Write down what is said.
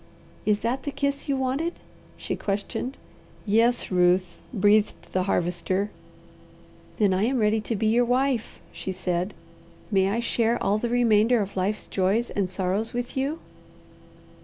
"Is that the kiss you wanted?" she questioned. "Yes, Ruth," breathed the Harvester. "Then I am ready to be your wife," she said. "May I share all the remainder of life's joys and sorrows with you?"